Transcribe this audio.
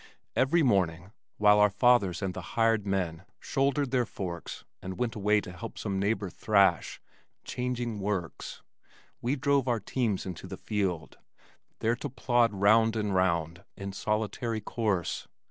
Every morning while our fathers and the hired men shouldered their forks and went away to help some neighbor thrash ("changing works") we drove our teams into the field, there to plod round and round in solitary course.